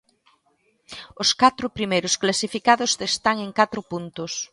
Os catro primeiros clasificados están en catro puntos.